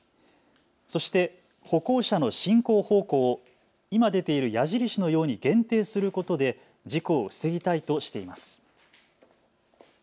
そして歩行者の進行方向を今出ている矢印のように限定することで事故を防ぎたいとしています。